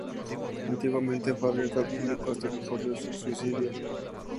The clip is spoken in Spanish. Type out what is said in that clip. Antiguamente fue abierto al público hasta que ocurrió un suicidio.